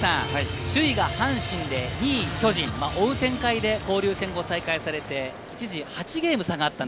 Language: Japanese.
首位が阪神で、２位巨人、追う展開で交流戦が再開されて一時８ゲーム差がありました。